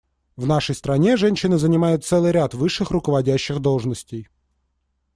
В нашей стране женщины занимают целый ряд высших руководящих должностей.